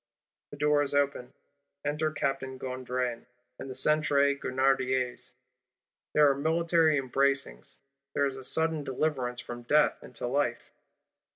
' The door is opened; enter Captain Gondran and the Centre Grenadiers: there are military embracings; there is sudden deliverance from death into life.